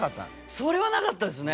それはなかったですね。